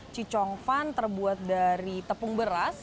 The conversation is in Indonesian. cicongfan terbuat dari tepung beras